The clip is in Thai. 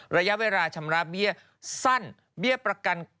ระยะเวลาชำระเบี้ยสั้นเบี้ยประกัน